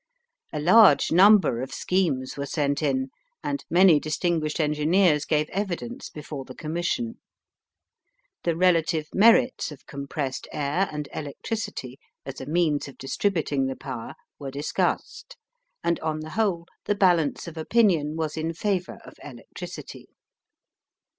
A large number of schemes were sent in, and many distinguished engineers gave evidence before the Commission. The relative merits of compressed air and electricity as a means of distributing the power were discussed, and on the whole the balance of opinion was in favour of electricity.